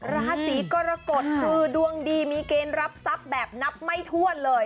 ราศีกรกฎคือดวงดีมีเกณฑ์รับทรัพย์แบบนับไม่ถ้วนเลย